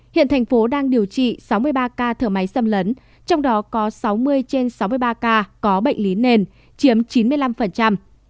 hiện thành phố đang điều trị sáu mươi ba ca thở máy xâm lấn trong đó có sáu mươi trên sáu mươi ba ca có bệnh lý nền chiếm chín mươi năm